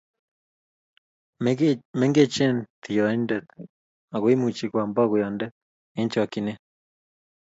Mengechen toynde aku imuchi koam bakoyande eng' chokchine